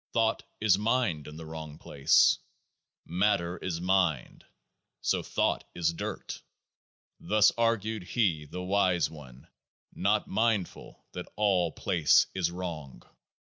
Thought is mind in the wrong place. Matter is mind ; so thought is dirt. Thus argued he, the Wise One, not mindful that all place is wrong.